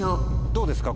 どうですか？